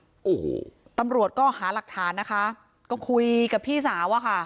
โอ้โหตำรวจก็หาหลักฐานนะคะก็คุยกับพี่สาวอะค่ะ